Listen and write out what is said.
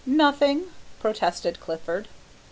"Nothing," protested Clifford.